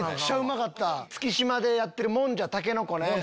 月島でやってるもんじゃ竹の子ね。